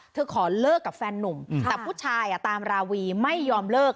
ขอเลิกกับแฟนนุ่มแต่ผู้ชายตามราวีไม่ยอมเลิก